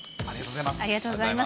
ありがとうございます。